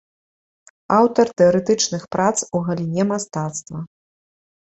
Аўтар тэарэтычных прац у галіне мастацтва.